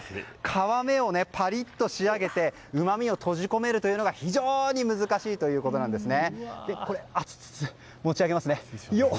皮目をパリッと仕上げてうまみを閉じ込めるというのが非常に難しいということなんですね。